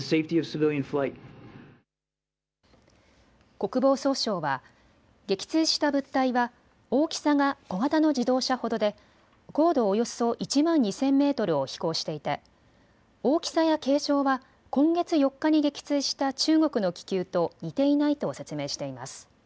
国防総省は撃墜した物体は大きさが小型の自動車ほどで高度およそ１万２０００メートルを飛行していて大きさや形状は今月４日に撃墜した中国の気球と似ていないと説明しています。